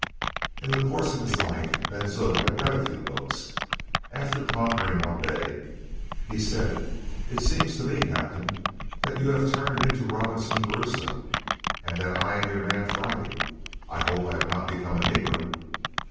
In the course of his life, Ben Zoof had read a few books. After pondering one day, he said: "It seems to me, captain, that you have turned into Robinson Crusoe, and that I am your man Friday. I hope I have not become a negro."